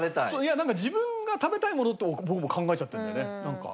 なんか自分が食べたいものって僕も考えちゃってるんだよねなんか。